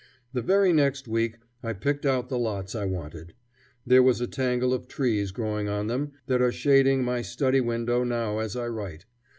The very next week I picked out the lots I wanted. There was a tangle of trees growing on them that are shading my study window now as I write.